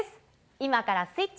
今からスイッチ。